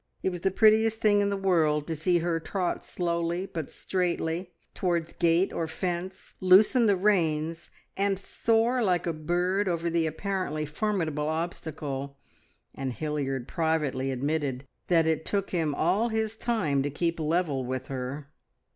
It was the prettiest thing in the world to see her trot slowly but straightly towards gate or fence, loosen the reins, and soar like a bird over the apparently formidable obstacle, and Hilliard privately admitted that it took him all his time to keep level with her.